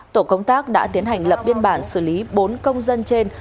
tổ công tác đã tiến hành lập biên bản xử lý bốn công dân trên